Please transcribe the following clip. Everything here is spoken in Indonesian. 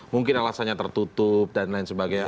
mungkin alasannya tertutup dan lain sebagainya